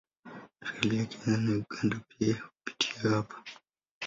Reli ya Kenya na Uganda pia hupitia hapa.